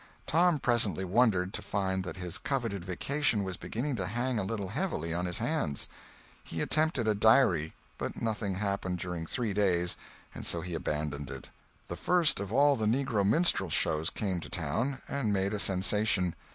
Tom presently wondered to find that his coveted vacation was beginning to hang a little heavily on his hands. He attempted a diary—but nothing happened during three days, and so he abandoned it. The first of all the negro minstrel shows came to town, and made a sensation.